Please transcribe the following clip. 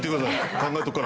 考えておくから。